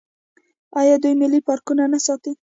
آیا دوی ملي پارکونه نه ساتي؟